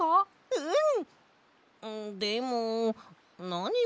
うん。